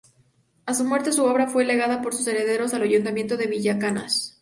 A su muerte su obra fue legada por sus herederos al Ayuntamiento de Villacañas.